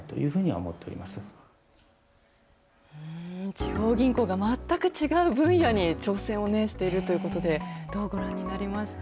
地方銀行が全く違う分野に挑戦をしているということで、どうご覧になりました？